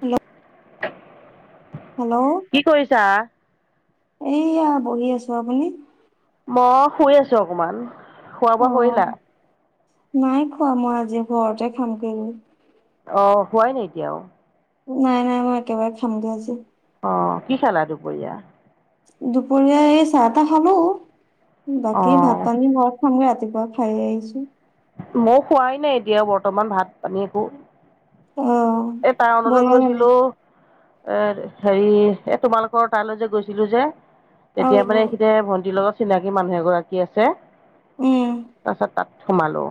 Hello. Hello কি কৰিছা? এয়া বহি আছো, আপুনি? মই শুই আছোঁ, অকমান খোৱা অ বোৱা কৰিলা? নাই খোৱা মই আজি ঘৰতে খাম গে আৰু। অ', শুৱাই নাই এতিয়াও। নাই, নাই মই একেবাৰে খামগৈ আজি। অ', কি খালা দুপৰীয়া? দুপৰীয়া এই চাহ তাহ খালো বাকী অ' ভাত পানী ঘৰত খামগে, ৰাতিপুৱা খাইয়ে আহিছোঁ। মই খোৱাই নাই এতিয়া বৰ্তমান, ভাত পানী একো। অ এ টাউনলৈ বনালে নাই গৈছিলোঁ। এৰ হেৰি এ তোমালোকৰ তালৈ যে গৈছিলো যে, অ তেতিয়া মানে এইখিনিতে ভণ্টিৰ লগত চিনাকী মানুহ এগৰাকী আছে উম তাৰপিছত তাত সোমালো।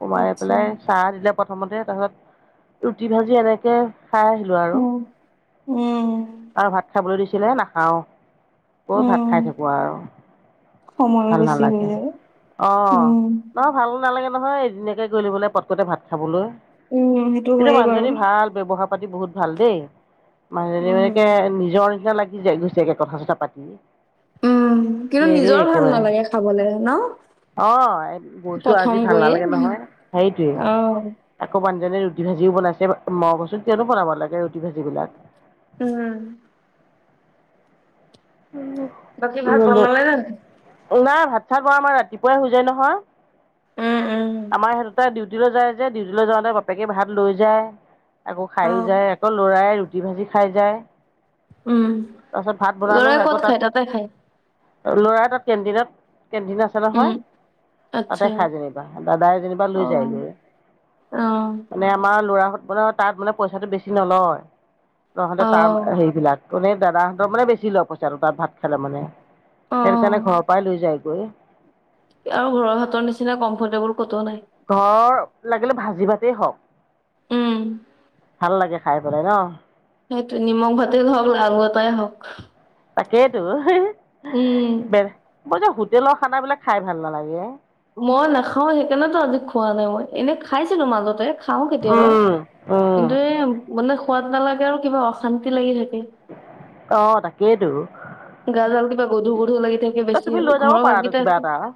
সোমাই আচ্ছা পেলাই চাহ দিলে প্ৰথমতে, তাৰপিছত ৰুটি ভাজি এনেকে খাই আহিলো আৰু, উম উম আৰু ভাত খাবলৈ দিছিলে এ নাখাওঁ। ক'ত ভাত উম খাই থাকো আৰু সময়ো ভাল বেছি হৈ নালাগে। যায় অ উম অ ভালো নালাগে নহয় এদিনীয়াকে গৈ লৈ পেলায় পটকটে ভাত খাবলৈ। উম সেইটো কিন্তু হয়ে বাৰু মানুহজনী ভাল, ব্যৱহাৰ পাতি বহুত ভাল দেই। মানুহজনী উম একে নিজৰ নিচিনা লাগি যায়, গৈছেগে কথা চথা পাতি। উম কিন্তু নেৰেই নিজৰ ভাল একেবাৰে, নালাগে খাবলে ন অ গৈছো প্ৰথম আজি ভাল গৈয়ে নালাগে নহয়, সেইটোৱে। অ', আকৌ মানুহজনী ৰুটি ভাজিও বনাইছে, মই কৈইছো কিয়নো বনাব লাগে ৰুটি ভাজিবিলাক। উম। [unintelligible] বাকী ভাত বনালেনে নাই? নাই ভাত চাত বৰা আমাৰ ৰাতিপুৱাই হৈ যায় উম, উম। নহয়। আমাৰ ইহঁত দুইতাই ডিউ উটি লৈ যায় যে, ডিউটিলৈ যাওঁতে বাপেকে ভাত লৈ যায়, আকৌ খাইয়ো অ'। যায়। আকৌ ল'ৰাই ৰুটি ভাজি খাই যায়। উম। বনালো ল'ৰাই ক'ত আকৌ তাত, খায় তাতে খায়? ল'ৰাৰ তাত কেণ্টিনত কেণ্টিন আছ ছে উম, নহয় তাতে আচ্ছা। খায় যেনিবা, দাদাই যেনিবা লৈ অ'। যায়গৈ। অ। মানে আমাৰ ল'ৰাহঁত তাত মানে পইচাটো বেছি নলয়। তহঁতে তাৰ অ', হেৰিবিলাক মানে দাদাহঁতৰ মানে বেছি লব পইচাটো তাত ভাত খালে মানে। অ'। সেই কাৰণে ঘৰৰ পৰাই লৈ যায়গৈ। আৰু ঘৰৰ হাতৰ নিচিনা কমফৰ্টেবল ক'তো নাই। ঘৰৰ লাগিলে ভাজি ভাতেই হওঁক। উম। ভাল লাগে খাই পেলাই ন। সেইটোৱে নিমখ ভাতেই হওঁক লাওবাটাই হওঁক। তাকেইতো উম, বে মই যে হোটেলৰ খানাবিলাক খাই ভাল নালাগে। মই নাখাও সেইকাৰণেতো আজি খোৱা নাই মই এনে খাইছিলো মাজতে। খাওঁ কেতিয়াবা উম উম কিন্তু এই মানে সোৱাদ নালাগে আৰু কিবা অশান্তি লাগি থাকে। অ তাকেইতো। গা দাল কিবা গধু গধু লাগি থাকে বেছি তুমি লৈ যাব ঘৰৰ পাৰাতো ভাতকিটা কিবা এটা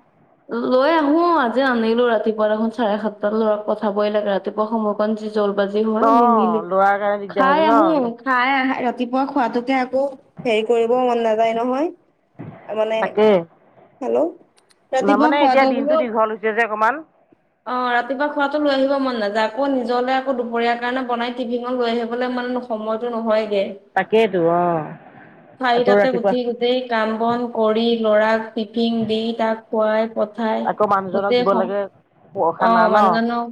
লৈ আহো অ আজি আনিলো ৰাতিপুৱা দেখোন চাৰে সাতটা লৰাৰাক পঠাবই লাগে ৰাতিপুৱা সময়কন যি জল বাজি হয় নিমিলি অ', ল'ৰাৰ কাৰণে দিগদাৰ খাই হৈছে আহোক ন খাই ৰাতিপুৱা খোৱাতোকে আকৌ হেৰি কৰিবও মন নায যায় নহয়, মানে হেল্ল' ন ৰাতিপুৱা মানে এতিয়া খোৱাটো দিনটো বোলো দীঘল হৈছে যে অকণমান। [inaudible] অ ৰাতিপুৱা খোৱাটো লৈ আহিব মন নাযায় আকৌ নিজলে আকৌ দুপৰীয়াাৰ কাৰণে বনাই টিভিঙত লৈ আহিবলৈ মান নো সময়তো নহয়গে। তাকেইতো অ, আকৌ চাৰিটাতে ৰাতিপুৱা উঠি গোটেই কাম বন কৰি লৰাক টিফিন দি তাক খুৱাই পঠ ঠাই আকৌ মানুহজনক গোটেই দিব ঘৰ, লাগে অ খানা ন মানুহজনক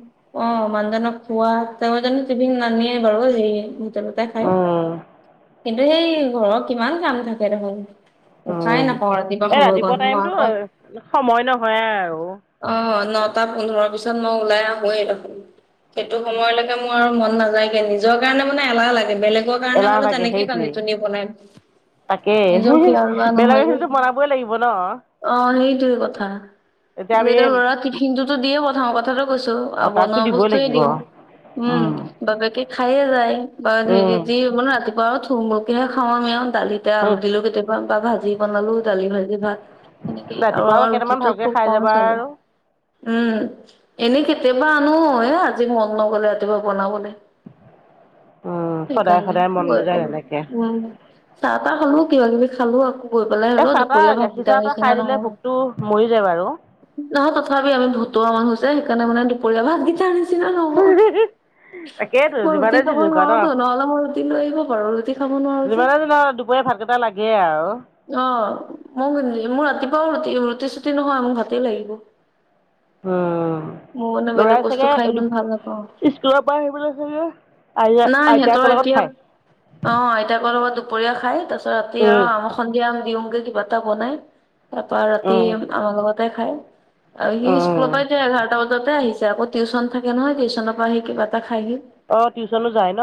অ', মানুহজনক খোৱা, তেওঁ জানো টিভিন নানিয়ে বাৰু সেই হোটেলতে খাই। উম, কিন্তু সেই ঘৰত কিমান কাম থাকে দেখোন। উশাই উম, নাপাওঁ এই সময়কণ ৰাতিপুৱা মই টাইমতো আকৌ সময় নহয় আৰু। অ', নটা পোন্ধৰৰ পিছত মই ওলাই আহোঁয়েই দেখোন। সেইটো সময়লৈকে মোৰ আৰু মন নাযায়গে নিজৰ কাৰণে, মানে এলাহ লাগে বেলেগক কাৰণে এলাহ হ'লে তেনেকেইে তানি তোনি বনাই তাকেই, নিজৰ খিয়াল লোৱা নহয় বেলেগৰ যে খিনিটো বনাবই লাগিব ন'! অ', সেইটোয়ে কথা, এতিয়া লৰা টিফিন টোতো দিয়ে পথাও কথাটো কৈছো। অ', তাকতো বনোৱা দিবই বস্তুয়ে লাগিব দিওঁ। উম, বাপেকে খায়ে যায়, ব হেৰি উম, যি হ'ব ন' ৰাতিপুৱা। বাৰ থুমলকিহে খাও আমি আৰু দালিতে আলু দিলো কেতিয়াবা বা ভাজি বনালো দালি ভাজি ভাত। সেনেকেই আৰু ৰাতিপুৱা আমাৰ কেইটামান ৰুতিটো ভালকে খুব খাই কম যাবা চলে। আৰু উম, এনেই কেতিয়াবা আনো, এ আজি মন নগ'লে ৰাতিপুৱা বনাবলৈ। উম সদায় সেইকাৰনে সদায় মন নাযায় তেনেকে [unintelligible] উম। চাহ-তাহ খালো কিবা কিবি খালো আকৌ। গৈ পেলাই এ হ'লেও চাহ তাহ দুপৰীয়া গাখীৰ ভাতগিটাৰ চাহ তাহ নিচিনা খাই দিলে নহয়। ভোকটো মৰি যায় বাৰু নহয় তথাপিউ আমি ভতুৱা মানুহ হৈছে সেইকাৰণে, মানে দুপৰীয়া ভাতকেইটাৰ নিচিনা নহয়। তাকেইতো মই যিমানে ৰুটি যি খাব নোখোৱা ন নোৱাৰো টো নহ'লে মই ৰুটি লৈ আহিব পাৰোঁ, ৰুটি খাব নোৱাৰো যে। কিবা লাগে আৰু। অ', মোক মোৰ ৰাতিপুৱাও ৰুি-ৰুটি চুটি নহয় মোক ভাতেই লাগিব। উম, মোৰ মানে বেলেগ ল'ৰাই বস্তু চাগে খাই ইমান ভাল নাপাওঁ। স্কুলৰ পৰা আহি পেলাই চাগে নাই সিহঁতৰ আই-আইতাকৰ লগত এতিয়া খায়? অ', আইতাকৰ লগত দুপৰীয়া খাই, তাৰপাছত ৰাতি আৰু উম আম সন্ধিয়াম দিওঁগে কিবা এটা বনাই তাৰ পৰা ৰাতি উম আমাৰ লগতে খাই। আৰু সি উম স্কুলৰ পৰা এতিয়া এঘাৰটা বজাতে আহিছে, আকৌ টউচন থাকে নহয় টিউশচনৰ পৰা আহি কিবা এটা খাইহি। অ', টিউচনো যায় ন'?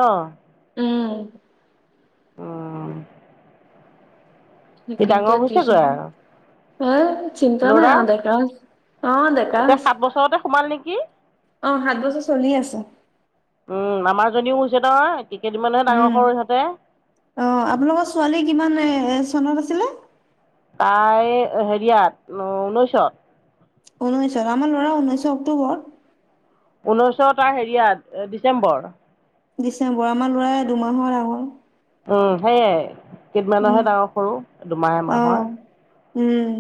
উম। উম। সি কিন্তু ডাঙৰ টিউচন হৈছেগৈ আৰু। এ চিন্তা নাই আৰু ডেকা অ', ডেকা। এ হৈছে। সাত বছৰতে সোমাল নেকি? অ', সাত বছৰ চলি আছে। উম, আমাৰ জনীও হৈছে নহয় কেইদিন মানৰহে উম। ডাঙৰ সৰু ইহঁতে। অ', আপোনালোকৰ ছোৱালী কিমান এ চনত আছিলে? তাই হেৰিয়াত ঊনৈশত। ঊনৈশত, আমাৰ ল'ৰা ঊনৈশৰ অক্টোবৰত। ঊনৈশৰ তাৰ হেৰিয়াত ডিচেম্বৰ। ডিচেম্বৰ আমাৰ ল'ৰা দুমাহৰ ডাঙৰ। উম, সেয়াই উম কেইদিনমানৰহে ডাঙৰ সৰু দুমাহ অ এমাহৰ। উম।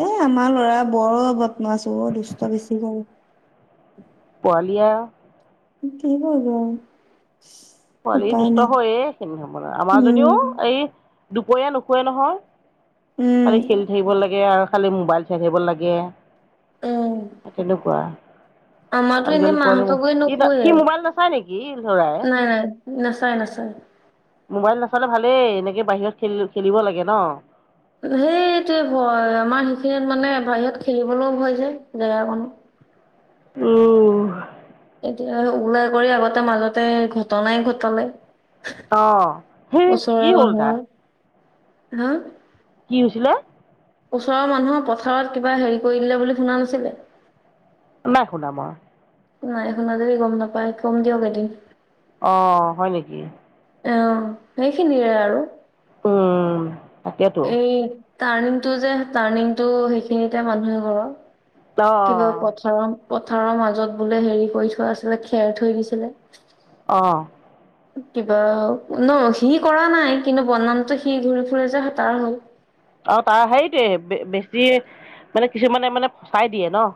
এ আমাৰ লৰা বৰ বদমাছ অ', দুষ্ট বেছি কৰে। পোৱালি আৰু। কি কৰিব আৰু। পোৱালী উপায় দুষ্ট নাই হয়েই সেইখিনি সময়ত, আমাৰ জনীও উম এই দুপৰীয়া নোশোৱে নহয়। উম। খালি খেলি থাকিব লাগে আৰু খালি মোবাইল চাই থাকিব লাগে। উম তেনেকুৱা। আমাৰতো আজিকালি এনেই কালি মাহঁতৰ পোৱালি গুৰিত নুশুৱে ই মোবাইল নাচায় নেকি ই লৰাই। নাই নাই নাচায় নাচায়। মোবাইল নাচালে ভালেই এনেকে বাহিৰত খেলি খেলিব লাগে ন। সেইটোৱে ভয় আমাৰ সেইখিনিত মানে বাহিৰত খেলিবলৈও ভয় যে জেগা কণ। উম। এতিয়া ওলাই কৰি আগতে মাজতে ঘটনাই ঘটালে। অহ। ওচৰে মানুহৰ হা। কি হৈছিলে? ওচৰৰ মানুহৰ পথাৰত কিবা হেৰি কৰি দিলে বুলি শুনা নাছিলে। নাই শুনা মই। নাই শুনা যদি গম নাপায় কম দিয়ক এদিন। অ হয় নেকি? অ সেইখিনিৰে আৰু। উম। তাকেতো এই টাৰ্ণিং টো যে টাৰ্ণিং টো সেইখিনিতে মানুহে এঘৰৰ অ কিবা পথাৰ পথাৰৰ মাজত বোলে হেৰি কৰি থোৱা আছিলে খেৰ থৈ দিছিলে। অঁ। [inaudible] কিবা ন সি কৰা নাই কিন্তু বদনামটো সি ঘূৰি ফুৰি যে হেই তাৰ হ'ল। অ তাৰ সেইটোয়ে বেছি মানে কিছুমানে মানে ফচাই দিয়ে ন।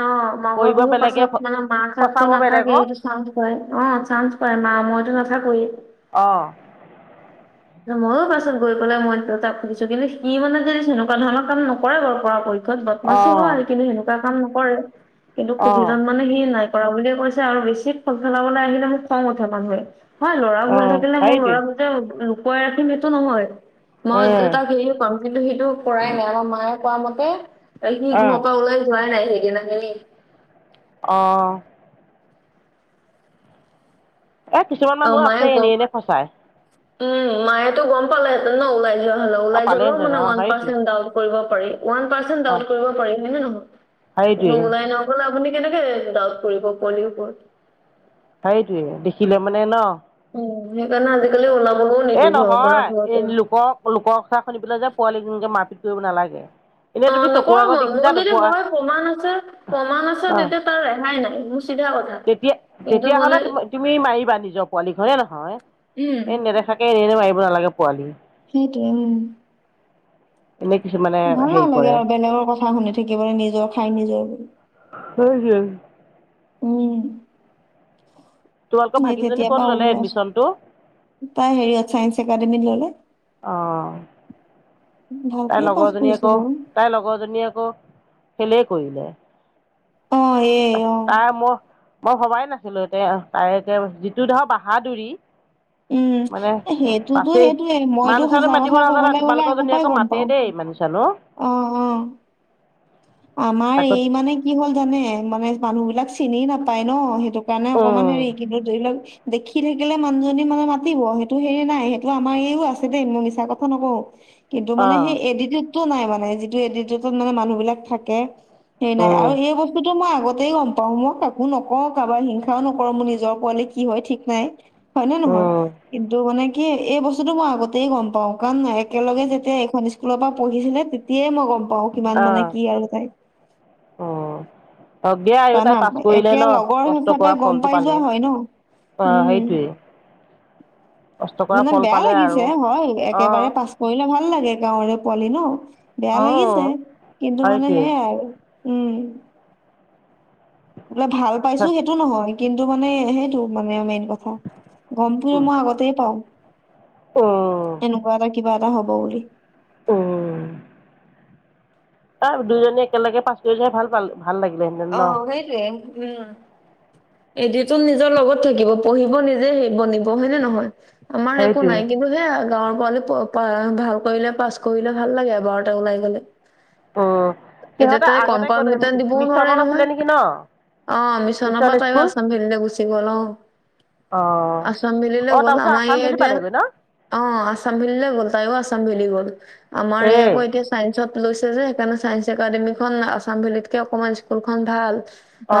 অ মাঘৰ কৰিব বিহুৰ বেলেগে পাছত মানে মাহঁততো ফচাব বেলেগক নাথাকেই চান্স পায় অ চান্স পায় মা মইতো নাথাকোৱেই। অঁ। ময়ো পাছত গৈ পেলাই মই তাক সুধিছো কিন্তু সি মানে যদি তেনেকুৱা ধৰণৰ কাম নকৰে বাৰু পৰা পক্ষ- ত অ বদমাচি হয় কিন্তু সেনেকুৱা কাম নকৰে কিন্তু অ সুধিলত মানে সি নাই কৰা বুলিয়ে কৈছে আৰু বেছি ফল খেলাবলৈ আহিলে মোক খং উঠে মানুহে। হয় লৰা অ ভুল থাকিলে মই সেইটোৱে লৰা ভুল যে লুকুৱাই ৰাখিম এইটো নহয় উম মই তাক হেৰি কম কিন্তু সিটো কৰাই নাই আমাৰ মায়ে কোৱা মতে সি অ ঘৰৰ পৰা ওলাই যোৱাই নাই সেইদিনা খনি। অঁ। এ কিছুমান অ মানুহো মায়ে আছেই গম এনেই এনেই ফচাই। উম মায়ো গম পালে হেঁতেন ন ওলাই যোৱা হ'লে অ ওলাই যাবও পালেহেঁতেন মানে অ ওৱান সেইটোৱে পাৰ্চেণ্ট দাউত কৰিব পাৰি ৱান্ত পাৰ্চেণ্ট অ দাউত কৰিব পাৰি হয় নে সেইটোৱে নহয়। নহলে আপুনি কেনেকে ডাউট কৰিব পোৱালিৰ ওপৰত। সেইটোৱে দেখিলে মানে ন উ সেইকাৰণে আজিকালি ওলাবলৈও এই নিদি ঘৰৰ পৰা নহয় এই ঘৰতে। লোকৰ লোকৰ কথা শুনি পেলাই যে পোৱালী এনেকে মাৰপিত কৰিব নালাগে। এনেই অ তুমি চকুৰ নকৰো আগত মই দেখিছা মোৰ যদি হয় প্ৰমাণ আছে প্ৰমাণ আছে অঁ তেতিয়া ৰেহাই নাই মোৰ চিধা কথা। তেতিয়া কিন্তু মানে তেতিয়াহ'লে তুমি মাৰিবা নিজৰ পোৱালিক হয়নে নহয় উম এই নেদেখা এ এনে এনে মাৰিব নালাগে পোৱালি। সেইটোৱে উম। এনেই কিছুমানে ভাল হেৰি নাই কৰে আৰু বেলেগৰ কথা শুনি থাকিবলৈ নিজৰ খাই নিজৰ বুলি। হম হম। উম। তোমালোকৰ সেই ভাগিনজনী তেতিয়াৰ পৰা ক'ত ল'লে ওলোৱা এডমিশ্যনটো? তাই হেৰিয়ত চাইন্স একাডেমীত ললে। অঁ তাইৰ ভালকে পাছ লগৰজনী পৰিছে আকৌ বাৰু। তাইৰ লগৰজনীয়ে আকৌ ফেলেই কৰিলে। অ এই অ তাই মই মই ভবাই নাছিলো এতিয়া তাই এতি যিটো ধৰ বাহাদুৰি। উম। মানে এ সেইটোতো পাছেই সেইটোয়ে মইতো মানুহ চানুহ সচা মাতিব কথা নাজানা কবলৈ গ'লে তোমালোকৰ আগৰ জনী পৰাই আকৌ গম মাতে পাও। দেই মানুহ চানুহ অ অ। আমাৰ তাকত এই মানে কি হ'ল জানে মানে মানুহ বিলাক চিনি এ নাপায় ন'। সেইটো কাৰনে অকণমান উম হেৰি কিন্তু ধৰি লওক- দেখি থাকিলে মানুহজনী মানে মাতিব সেইটো হেৰি নাই সেইটো আমাৰ এইও আছে দেই মই মিছা কথা নকওঁ। কিন্তু অ মানে সেই এতিতিয়ুদটো নাই মানে যিটো এটিতিয়ুটত মানে মানুহ বিলাক থাকে- এই নাই উম আৰু এই বস্তুটো মই আগতেই গম- পাওঁ। মই কাকো নকওঁ কাৰোবাৰ হিংসাও নকৰো মোৰ নিজৰ পোৱালি কি হয় ঠিক নাই। হয়নে নহয়? উম কিন্তু মানে কি এই বস্তুটো মই আগতেই গম পাওঁ কাৰণ একেলগে যেতিয়া এইখন ইছ- কোলৰ পৰা পঢ়িছিলে তেতিয়াই মই গম পাওঁ কিমান অ মানে কি আৰু তাই। পাবি এ আৰু জানা তাই পাছ কৰিলে একে ন, লগৰ কষ্ট হিচাপে কৰা গম ফলটো পাই পালে। যোৱা হয় ন অঁ উম সেইটোৱেই। মানে বেয়া পালে লাগিছে আৰু হয় অ একেবাৰে পাচ- কৰিলে ভাল লাগে গাঁৱৰে পোৱালি ন বেয়া উম লাগিছে, কিন্তু মানে সেইটোৱে সেয়াই আৰু। উম। বোলে ভাল পাইছো সেইটো নহয় কিন্তু মানে সেইটো মানে মেইন কথা। গমটো মই আগতেই পাওঁ। ওম। এনেকুৱা এটা কিবা এটা হ'ব বুলি। ওম। তাৰ দুইজনী একেলগে পাছ কৰি যাই ভাল পালো- ভাল লাগিলেনে? অ সেইটোৱে উম। এদিনতো নিজৰ লগত থাকিব পঢ়িব নিজে হেৰি বনিব। হয় নে নহয়? আমাৰ একো সেইটোৱে নাই কিন্তু- টোৱেআও গাঁৱৰ পোৱালি প পা ভাল কৰিলে পাছ কৰিলে ভাল লাগে এবাৰতে ওলাই গ'লে। উম এতিয়া সিহঁতে তাই আগতে কম্পাউড ক'ত মিটাৰ দিবও নোৱাৰে মিছনত আছিলে নহয়। নেকি ন অ মিছন বিছনাপা- তায় স্কুল আছামভেলিলৈ গুচি গ'ল অ। অ অ আছামভেলিলৈ গ'ল তাৰপিছত আমাৰ আছাম ই ভেলি এতিয়া- পালেগৈ ন অ আছামভেলিলৈ গ'ল তাইও আছামভেলি গ'ল। আমাৰ এই আকৌ এতিয়া- চাইন্সত লৈছে যে সেইকাৰণে চাইন্স একাডেমিখন আছাম ভেলীতকে অকমান স্কুলখন ভাল।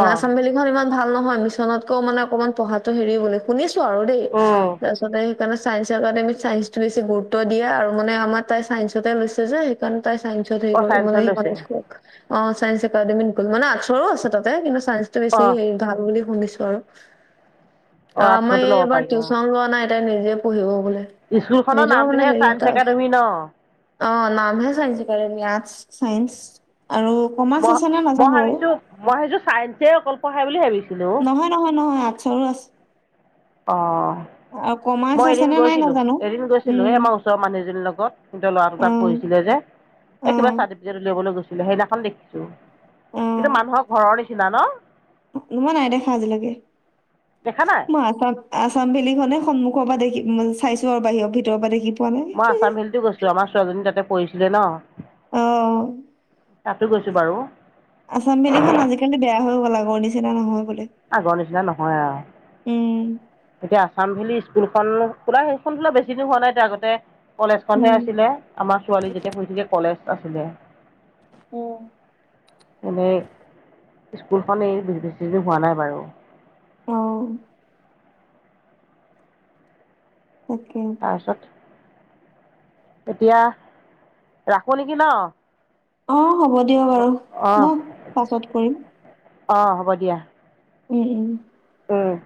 অ ভেলিখন ইমান ভাল নহয় মিছনতকও অকনমান পঢ়াটো হেৰি বুলি- শুনিছো আৰু দেই। উম তাৰ পিছতে মানে চাইন্স একাডেমিত চায়ন্সটো বেছি গুৰুত্ব দিয়ে আৰু মানে আমাৰ তাই চাইন্ঞ্চতে লৈছে যে- কাৰণ তাই চাইন্সত হেৰি অ কৰিব মই চাইন্সত লৈছে ইকনমিক- অ ছাইন্স একাডেমিত গ'ল মানে আৰ্টছৰু আছে তাতে কিন্তু চাইন্স টো বেছি অ হেৰি- টান বুলি শুনিছো আৰু অ মই আৰ্টছতো ল'ব এইবাৰ পাৰি অ টিউচন লোৱা নাই। তাই নিজে পঢ়িব বোলে। স্কুলখনৰ নিজৰ মানে নামটোহে হেৰি এটা ছায়ন্স আছে। একাডেমী ন? অ', নামহে চজালি মেথছ চাইন্স আৰু কমাৰ্চ মই আছে নে মই নাজানোঁ আৰু। ভাবিছো মই সেইছো ছাইেঞ্চে অকল পঢ়ে বুলি ভাবিছিলোঁ। নহয়, নহয়, নহয় আৰ্টচৰো আছে। অ'। চাইন্স মই আছে এদিন নাই গৈছিলো নাজানোঁ। এদিন গৈছিলো আমাৰ ওচৰৰ মানুহ এজনীৰ লগত কিন্তু ল'ৰা দুটাত অ', পঢ়িছিলে যে এই কিবা অ', চাৰ্টিফিকেট উলিয়াবলৈ গৈছিলে সেইদিনাখন দেখিছোঁ কিন্তু অ', মানুহৰ ঘৰৰ নিচিনা ন। মই নাই দেখা আজিলৈকে দেখা নাই মই আছাম ভেলী খনে সন্মখৰ পৰা দেখি চাইছোঁ আৰু বাহিৰৰ ভিতৰৰ পৰা দেখি পোৱা নাই। মই আছাম ফিল্ডো গৈছোঁ আমাৰ ছোৱালী তাতে পঢ়িছিলে ন। অ'। তাতো গৈছোঁ বাৰু। আচাম ভেলিখন আজিকালি বেয়া হৈ গ'ল আগৰ নিচিনা নহয় বোলে। আগৰ নিচিনা নহয় আৰু। উম। এতিয়া আছাম ভেলী স্কুলখন খোলা সেইখনো বেছি দিন হোৱা নাই এতিয়া আগতে কলেজখনহে উম, আছিলে আমাৰ ছোৱালী যেতিয়া শুছিলাকে কলেজ আছিলে। উ। মানই স্কুলখনেই বেছিদিন হোৱা নাই বাৰু। অ'। অকে। তা পাছত। এতিয়া ৰাখো নেকি ন। অ', হ'ব দিয়ক বাৰু ন পাছত কৰিম। অ', হ'ব দিয়া। উম, উম। উম।